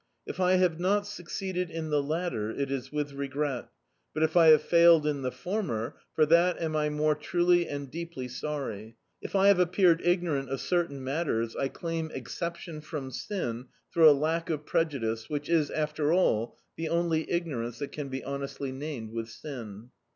If I have not succeeded in the latter it is with regret, but if I have failed in the former, for that am I more truly and deeply sorry. If I have appeared ignorant of certain matters I claim exception from sin through a lack of prejudice which is, after all, the only ignorance that can be hcMiestly named with sin.